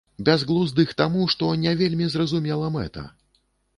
Бязглуздых таму, што не вельмі зразумела мэта.